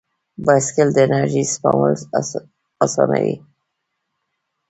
بایسکل د انرژۍ سپمول اسانوي.